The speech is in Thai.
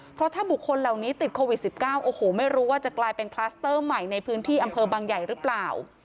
เพราะถ้าบุคคลเหล่านี้ติดโควิด๑๙โอ้โหไม่รู้ว่าจะกลายเป็นคลัสเตอร์ใหม่ในพื้นที่อำเภอบางใหญ่หรือเปล่า